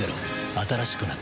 新しくなった